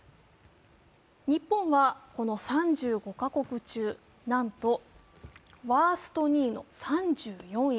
日本はこの３５か国中なんとワースト２位の３４位。